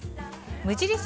無印